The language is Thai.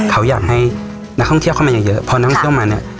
เขาอยากให้นักท่องเที่ยวเข้ามาเยอะพอนักท่องเที่ยวมาเนี่ย